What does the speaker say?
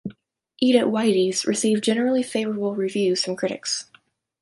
"Eat at Whitey's" received generally favorable reviews from critics.